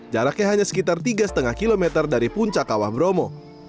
jaraknya hanya sekitar tiga lima km dari puncak kawah bromo